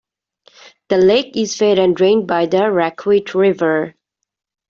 The lake is fed and drained by the Raquette River.